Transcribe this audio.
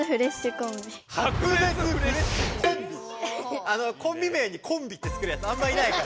コンビ名に「コンビ」ってつけるやつあんまいないから。